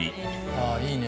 ああいいね。